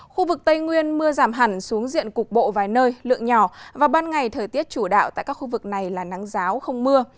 khu vực tây nguyên mưa giảm hẳn xuống diện cục bộ vài nơi lượng nhỏ và ban ngày thời tiết chủ đạo tại các khu vực này là nắng giáo không mưa